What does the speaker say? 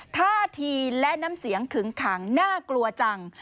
ท่าทีและน้ำเสียงขึงขังน่ากลัวจัง